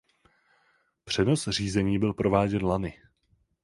Přenos řízení byl prováděn lany.